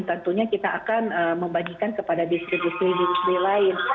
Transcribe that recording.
tentunya kita akan membagikan kepada distribusi distri lain